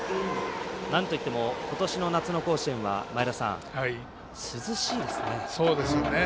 なんといってもことしの夏の甲子園は涼しいですね。